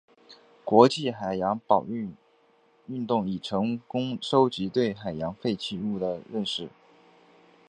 国际海洋保育运动已成功收集对海洋废弃物的认识。